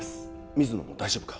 水野も大丈夫か？